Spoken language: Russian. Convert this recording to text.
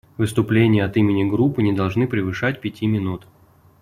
Выступления от имени группы не должны превышать пяти минут.